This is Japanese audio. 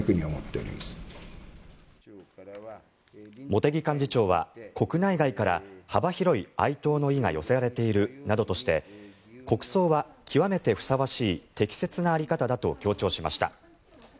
茂木幹事長は、国内外から幅広い哀悼の意が寄せられているなどとして国葬は極めてふさわしい適切な在り方だと強調しました。